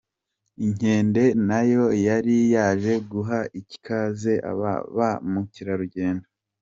Inkende nayo yari yaje guha ikaze aba ba mukerarugendo.